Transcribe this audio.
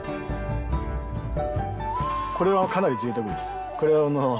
これはかなりぜいたくです。